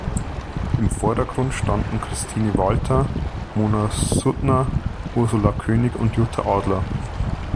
Im Vordergrund standen Christine Walter, Mona Suttner, Ursula König und Jutta Adler.